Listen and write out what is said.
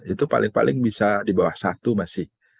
itu paling paling bisa di bawah satu masih